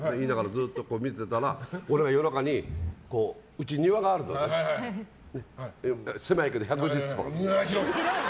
ずっと見ていたら俺が夜中に、うちは庭があるんだけど狭いけど、１１０坪。